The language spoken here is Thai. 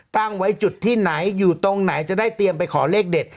ตั้งไว้จุดที่ไหนอยู่ตรงไหนจะได้เตรียมไปขอเลขเด็ด